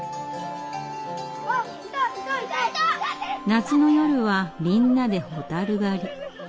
夏の夜はみんなでホタル狩り。